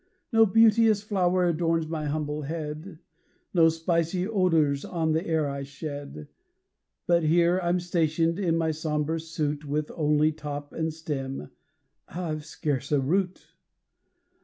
No beauteous flower adorns my humble head, No spicy odors on the air I shed; But here I'm stationed, in my sombre suit, With only top and stem I've scarce a root!